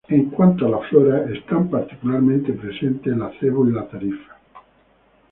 En cuanto a la flora son particularmente presente el acebo y la tarifa.